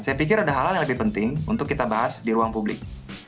saya pikir ada hal hal yang lebih penting untuk kita bahas di ruang publik